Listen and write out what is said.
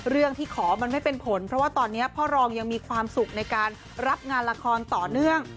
เรื่องที่ขอมันไม่เป็นผลเพราะว่าตอนนี้พ่อรองยังมีความสุขในการรับงานละครต่อเนื่อง